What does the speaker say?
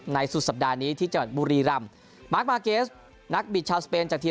สุดสัปดาห์นี้ที่จังหวัดบุรีรำมาร์คมาร์เกสนักบิดชาวสเปนจากทีม